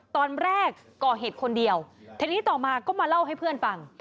ตอนแรกก่อเหตุคนเดียวทีนี้ต่อมาก็มาเล่าให้เพื่อนฟัง